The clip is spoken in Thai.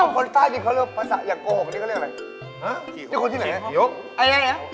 คนใต้ที่เค้าเรียกภาษาอันโกหกเค้าเรียกอะไร